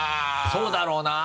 そうだろうな。